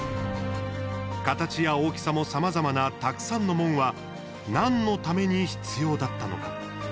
形や大きさもさまざまなたくさんの門は何のために必要だったのか。